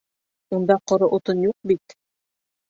— Унда ҡоро утын юҡ бит...